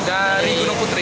dari gunung putri